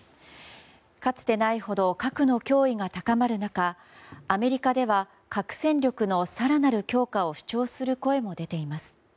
かつてないほど核の脅威が高まる中アメリカでは核戦力の更なる強化を主張する声も出ています。